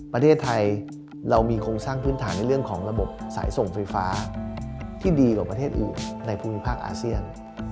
ประเทศไทยเรามีโครงสร้างพื้นฐานในเรื่องของระบบสายส่งไฟฟ้าที่ดีกว่าประเทศอื่นในภูมิภาคอาเซียน